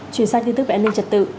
chuyển sang tin tức bản linh trật tự